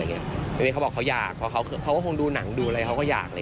อันนี้เขาบอกเขาอยากเขาก็คงดูหนังดูอะไรเขาก็อยาก